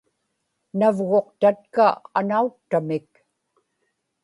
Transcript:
navguqtatka anauttamik